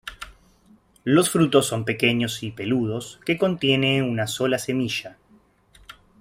Los frutos son pequeños y peludos, que contiene una sola semilla.